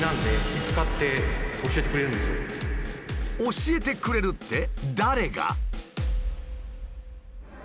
「教えてくれる」って誰が？